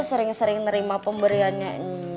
sering sering nerima pemberiannya